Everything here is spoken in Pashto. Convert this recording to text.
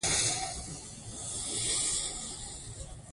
چا سره ورځ پرې جوړه کړه؟